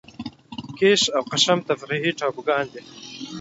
کیش او قشم تفریحي ټاپوګان دي.